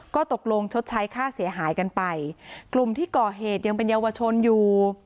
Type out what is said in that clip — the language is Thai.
ก็ตกลงชดใช้ค่าเสียหายกันไปกลุ่มที่ก่อเหตุยังเป็นเยาวชนอยู่